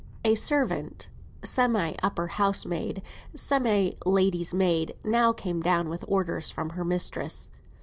A servant, semi upper housemaid, semi lady's maid, now came down with orders from her mistress.